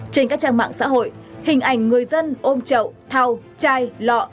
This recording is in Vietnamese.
trên các trang mạng xã hội hình ảnh người dân ôm trậu thao chai lọ